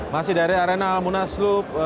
masih dari arena limunah slup